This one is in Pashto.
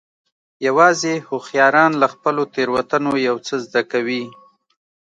یوازې هوښیاران له خپلو تېروتنو یو څه زده کوي.